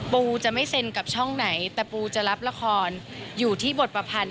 ปูจะไม่เซ็นกับช่องไหนแต่ปูจะรับละครอยู่ที่บทประพันธ์